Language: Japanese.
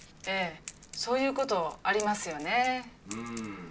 そういう事ありますよね。